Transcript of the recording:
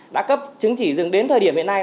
đã cấp chứng chỉ rừng đến thời điểm hiện nay